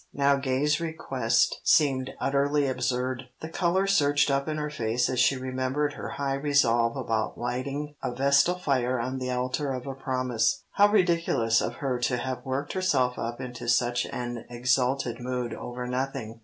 Now Gay's request seemed utterly absurd. The colour surged up in her face as she remembered her high resolve about lighting a vestal fire on the altar of a promise. How ridiculous of her to have worked herself up into such an exalted mood over nothing.